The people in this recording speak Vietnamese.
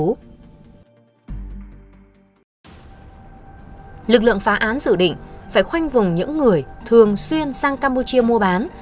lực lượng phá án dự định phải khoanh vùng những người thường xuyên sang campuchia mua bán